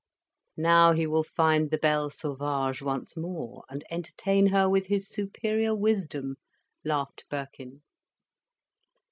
"Now he will find the belle sauvage once more, and entertain her with his superior wisdom," laughed Birkin.